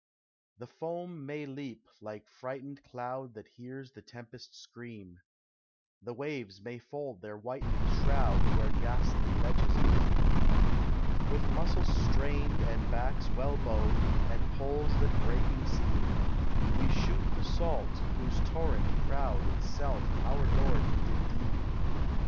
The foam may leap like frightened cloud That hears the tempest scream, The waves may fold their whitened shroud Where ghastly ledges gleam; With muscles strained and backs well bowed And poles that breaking seem, We shoot the sault, whose torrent proud Itself our lord did deem.